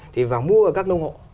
thì vào mua ở các nông hộ